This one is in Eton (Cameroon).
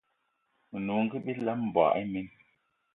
Menungi bilam, mboigi imen